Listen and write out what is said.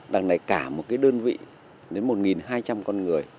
đằng này cả một cái đơn vị đến một hai trăm linh con người